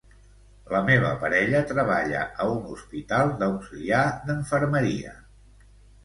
La meva parella treballa a un hospital d'auxiliar d'infermeria.